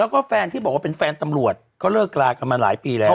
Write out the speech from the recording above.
แล้วก็แฟนที่บอกว่าเป็นแฟนตำรวจก็เลิกลากันมาหลายปีแล้ว